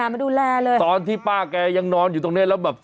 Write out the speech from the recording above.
ก็เมาแล้วเค้าบอกว่าไม่ให้ขับ